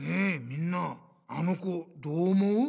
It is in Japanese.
みんなあの子どう思う？